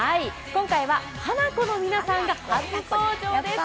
今回はハナコの皆さんが初登場です。